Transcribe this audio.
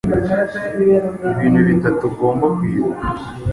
Ibintu bitatu ugomba kwibuka